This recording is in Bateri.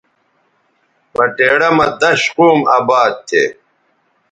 بٹیڑہ مہ دش قوم اباد تھے